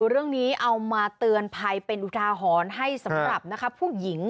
เรื่องนี้เอามาเตือนภัยเป็นอุทาหรณ์ให้สำหรับผู้หญิง